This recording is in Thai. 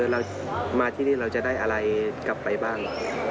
เรามาที่นี่เราจะได้อะไรกลับไปบ้าง